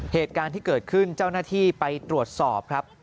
เหตุการณ์ที่เกิดขึ้นเจ้าหน้าที่ไปตรวจสอบครับ